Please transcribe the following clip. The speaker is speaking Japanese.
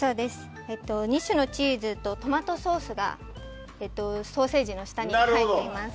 ２種のチーズとトマトソースがソーセージの下に入っています。